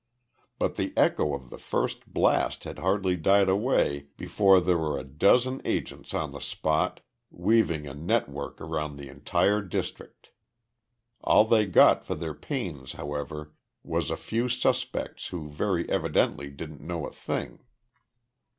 But the echo of the first blast had hardly died away before there were a dozen agents on the spot, weaving a network around the entire district. All they got for their pains, however, was a few suspects who very evidently didn't know a thing.